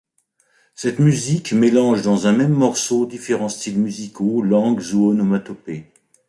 Cette musique mélange dans un même morceau différents styles musicaux, langues ou onomatopées.